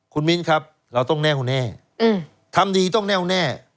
คุณมิ้นครับเราต้องแน่วแน่ทำดีต้องแน่วแน่